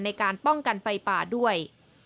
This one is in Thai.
ในการป้องกันไฟป่าด้วย